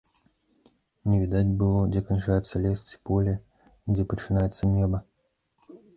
Не відаць было, дзе канчаецца лес ці поле і дзе пачынаецца неба.